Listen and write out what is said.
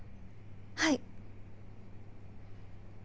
はい。